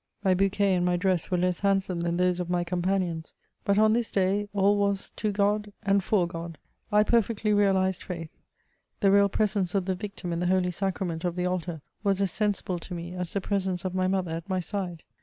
My bouquet and my dress were less handsome than those of my companions ; but on this day all was to Grod and for Gfod. I perfectly realized faith : the real presence of the Victim in the Holy Sacrament of the altar, was as sensible to me, as the presence of my mother at my side.